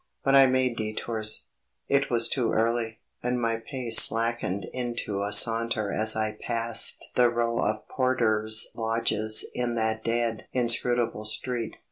But I made detours; it was too early, and my pace slackened into a saunter as I passed the row of porters' lodges in that dead, inscrutable street.